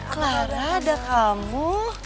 kelara ada kamu